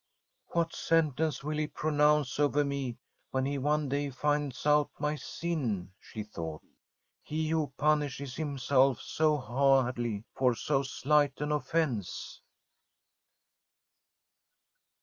' What sentence will he pronounce over me when he one day finds out my sin/ she thought, ' he who punishes himself so hardly for so slight an offence